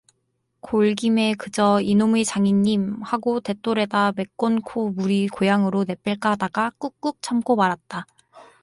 골김에 그저 이놈의 장인님, 하고 댓돌에다 메꼰코 우리 고향으로 내뺄까 하다가 꾹꾹 참고 말았다.